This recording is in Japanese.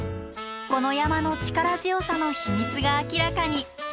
この山の力強さの秘密が明らかに。